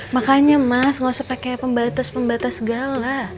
makanya mas gak usah pakai pembatas pembatas segala